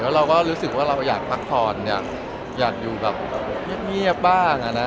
เราก็รู้สึกว่าเราอยากพักผ่อนอยากอยู่แบบเงียบบ้าง